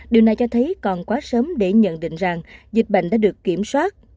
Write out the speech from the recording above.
điều này cho thấy còn quá sớm để nhận định rằng dịch bệnh đã được kiểm soát